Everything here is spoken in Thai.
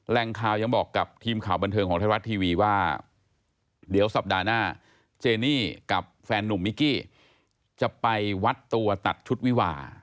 แรงข่าวยังบอกกับทีมข่าวบันเทิงของไทยรัฐทีวีว่าเดี๋ยวสัปดาห์หน้าเจนี่กับแฟนนุ่มมิกกี้จะไปวัดตัวตัดชุดวิวา